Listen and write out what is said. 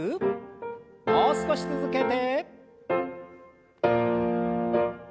もう少し続けて。